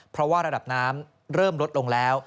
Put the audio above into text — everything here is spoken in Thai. เพราะว่าระดับน้ำเริ่มลดลงแล้ว